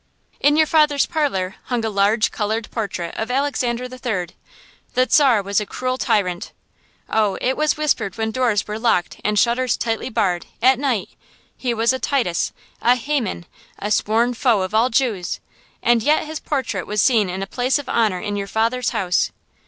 In your father's parlor hung a large colored portrait of Alexander III. The Czar was a cruel tyrant, oh, it was whispered when doors were locked and shutters tightly barred, at night, he was a Titus, a Haman, a sworn foe of all Jews, and yet his portrait was seen in a place of honor in your father's house.